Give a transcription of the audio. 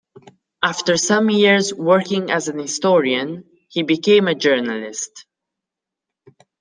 After some years working as a historian he became a journalist.